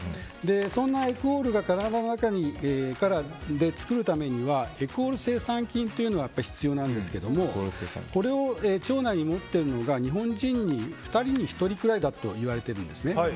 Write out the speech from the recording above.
そんなエクオールを体の中で作るためにはエクオール産生菌というのが必要なんですけどこれを腸内に持っているのが日本人の２人に１人くらいだといわれているんです。